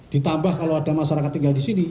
ditambah kalau ada masyarakat tinggal disini